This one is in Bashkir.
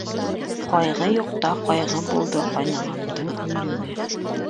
Ҡайғы юҡта ҡайғы булды ҡайнағамдың үлеүе.